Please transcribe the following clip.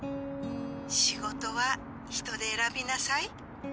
仕事は人で選びなさい。